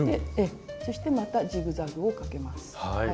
そしてまたジグザグをかけます。